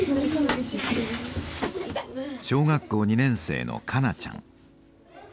小学校２年生の香菜ちゃん。